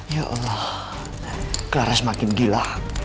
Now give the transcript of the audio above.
ya allah karena semakin gila